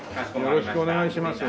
よろしくお願いします。